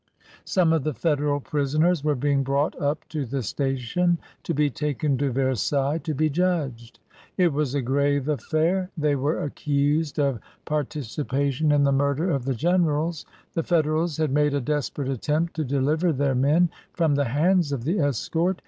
Some of the Federal prisoners were being brought up to the station to be taken to Versailles to be judged. It was a grave affair. They were accused of parti cipation in the murder of the generals. The Federals had made a desperate attempt to deliver their men from the hands of the escort.